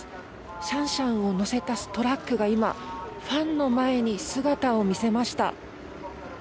シャンシャンをのせたトラックが今、ファンの前に姿を見せました。